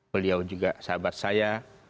beliau juga sahabat saya